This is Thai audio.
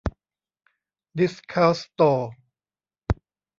ดิสเคานต์สโตร์